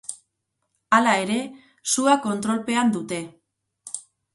Hala ere, sua kontrolpean dute.